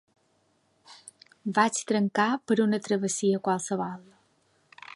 Vaig trencar per una travessia qualsevol